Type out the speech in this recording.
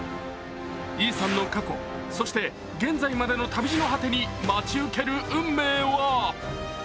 イーサンの過去、そして現在までの旅路の果てに待ち受ける運命は？